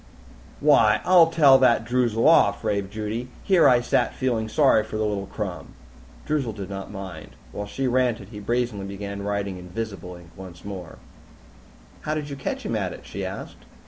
"Why, I'll tell that Droozle off!" raved Judy. "Here I sat feeling sorry for the little crumb!" Droozle did not mind. While she ranted, he brazenly began writing in visible ink once more. "How did you catch him at it?" she asked.